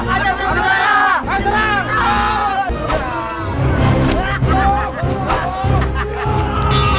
ada orang yang jalan